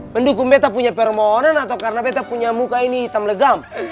pendukung beta punya permohonan atau karena beta punya muka ini hitam legam